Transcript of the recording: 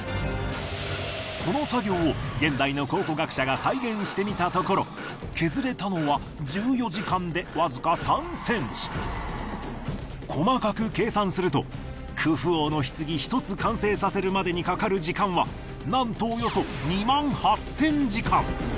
この作業を現代の考古学者が再現してみたところ削れたのは細かく計算するとクフ王の棺１つ完成させるまでにかかる時間はなんとおよそ２８，０００時間！